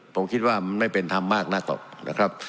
ผมคิดว่ามันไม่เป็นธรรมมากนักหรอกนะครับ